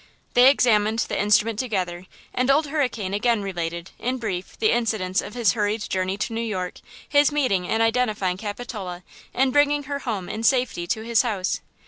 They examined the instrument together, and Old Hurricane again related, in brief, the incidents of his hurried journey to New York; his meeting and identifying Capitola and bringing her home in safety to his house.